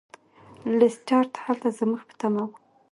لیسټرډ هلته زموږ په تمه و.